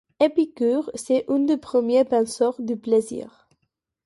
Épicure est l'un des premiers penseurs du plaisir.